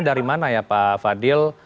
dari mana ya pak fadil